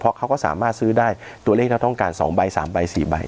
เพราะเขาก็สามารถซื้อได้ตัวเลขเราต้องการ๒ใบ๓ใบ๔ใบ